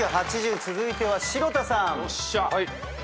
続いては城田さん。